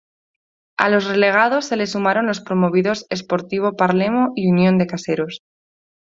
A los relegados se le sumaron los promovidos Sportivo Palermo y Unión de Caseros.